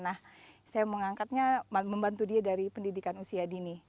nah saya mengangkatnya membantu dia dari pendidikan usia dini